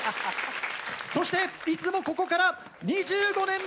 そしていつもここから２５年目の貫禄！